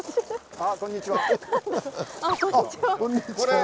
あっこんにちは。